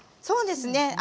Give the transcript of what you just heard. そうですね